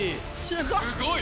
すごい。